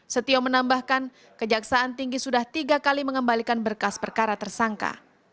setio menambahkan kejaksaan tinggi sudah tiga kali mengembalikan berkas perkara tersangka